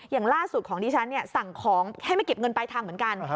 อย่างล่าสุดของดิฉันสั่งของให้ไม่เก็บเงินปลายทางเหมือนกัน